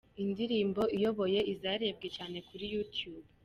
Indirimbo iyoboye izarebwe cyane kuri YouTube.